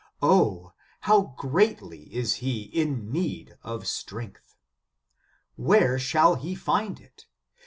O ! how greatly is he in need of strength ! Where shall he find it?